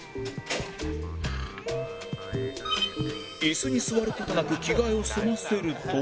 椅子に座る事なく着替えを済ませると